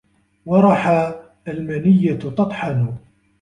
ورحى المنيّة تطحن